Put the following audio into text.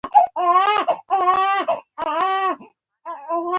د کرنیزو محصولاتو د ذخیره کولو معیاري شرایط باید برابر شي.